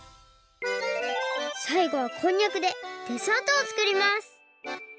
さいごはこんにゃくでデザートをつくります。